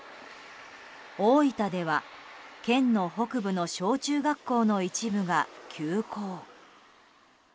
大分では県の北部の小中学校の一部が休校。